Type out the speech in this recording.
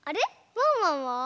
ワンワンは？